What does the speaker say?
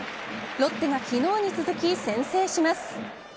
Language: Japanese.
ロッテが昨日に続き先制します。